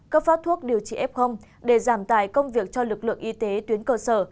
cấp phát thuốc điều trị f để giảm tài công việc cho lực lượng y tế tuyến cơ sở